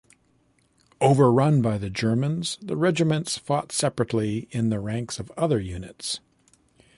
Overrun by the Germans, the Regiments fought separately in the ranks of other units.